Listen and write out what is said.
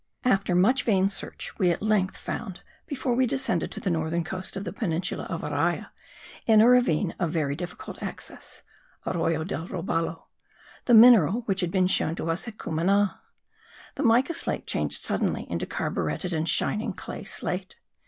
After much vain search we at length found, before we descended to the northern coast of the peninsula of Araya, in a ravine of very difficult access (Aroyo del Robalo), the mineral which had been shown to us at Cumana. The mica slate changed suddenly into carburetted and shining clay slate.